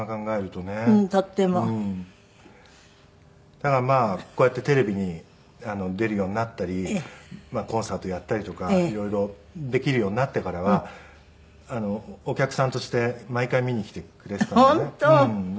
だからまあこうやってテレビに出るようになったりコンサートをやったりとか色々できるようになってからはお客さんとして毎回見に来てくれてたんでね。あっ本当。